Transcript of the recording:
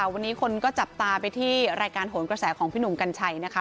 วันนี้คนก็จับตาไปที่รายการโหนกระแสของพี่หนุ่มกัญชัยนะคะ